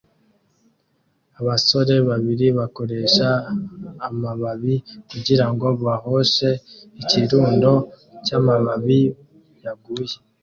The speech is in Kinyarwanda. Abasore babiri bakoresha amababi kugirango bahoshe ikirundo cyamababi yaguye